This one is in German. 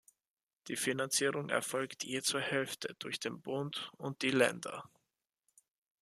Die Finanzierung erfolgt je zur Hälfte durch den Bund und die Länder.